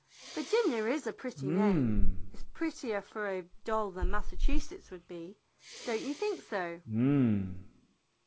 "Virginia is a pretty name. It's prettier for a doll than Massachusetts would be; don't you think so.?"